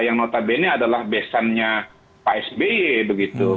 yang notabene adalah besannya pak sby begitu